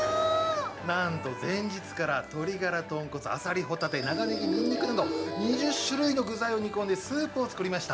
なんと前日から鶏ガラ、豚骨、アサリ、ホタテ、長ネギ、ニンニクなど、２０種類の具材を煮込んでスープを作りました。